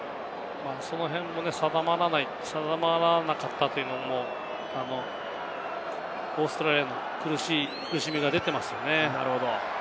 その辺も定まらなかったというのもオーストラリアの苦しみが出ていますね。